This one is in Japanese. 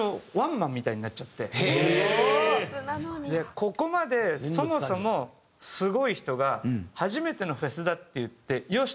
ここまでそもそもすごい人が初めてのフェスだっていってよし！